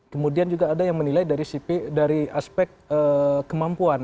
kemudian juga ada yang menilai dari aspek kemampuan